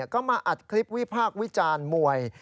ก็มาอัดคลิปวิพากษ์วิจารณ์มวย